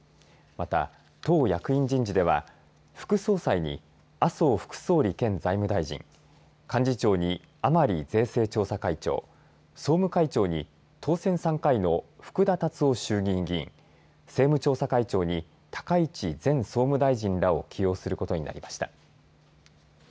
また、党役員人事では副総裁に麻生副総理兼財務大臣幹事長に甘利税制調査会長総務会長に当選３回の福田達夫衆議院議員政務調査会長に高市前総務大臣らを起用することになりました。